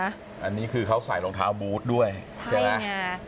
ยังไงน่ะอันนี้คือเขาใส่รองเท้าบู๊ดด้วยใช่ไหมใช่น่ะ